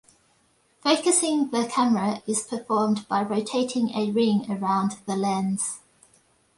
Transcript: Focusing the camera is performed by rotating a ring around the lens.